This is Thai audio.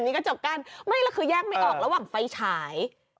นี่กระจกกั้นไม่แล้วคือแยกไม่ออกระหว่างไฟฉาย